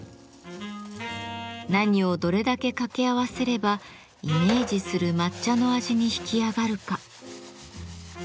何をどれだけ掛け合わせればイメージする抹茶の味に引き上がるか。